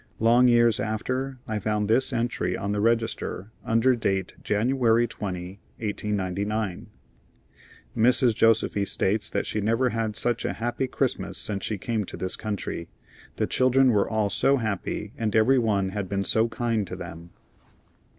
Long years after I found this entry on the register, under date January 20, 1899: "Mrs. Josefy states that she never had such a happy Christmas since she came to this country. The children were all so happy, and every one had been so kind to them."